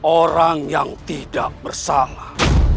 orang yang tidak bersalah